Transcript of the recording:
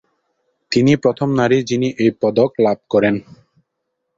তিনিই প্রথম নারী, যিনি এই পদক লাভ করেন।